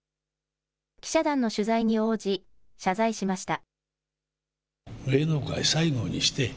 記者団の取材に応じ謝罪しました。